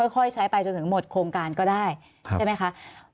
ค่อยใช้ไปจนถึงหมดโครงการก็ได้ใช่ไหมคะ